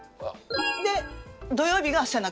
で土曜日が背中。